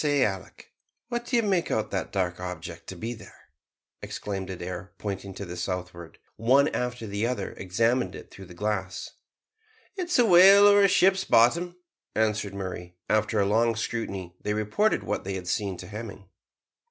"I say, Alick, what do you make out that dark object to be there?" exclaimed Adair, pointing to the southward. One after the other examined it through the glass. "It's a whale or a ship's bottom," answered Murray, after a long scrutiny. They reported what they had seen to Hemming.